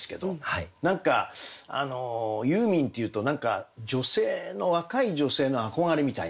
何かユーミンっていうと若い女性の憧れみたいな。